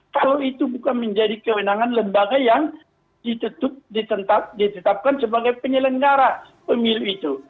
kalau itu bukan menjadi kewenangan lembaga yang ditetapkan sebagai penyelenggara pemilu itu